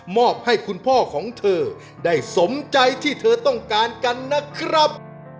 อบให้คุณพ่อของเธอได้สมใจที่เธอต้องการกันนะครับ